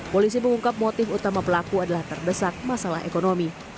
polisi mengungkap motif utama pelaku adalah terdesak masalah ekonomi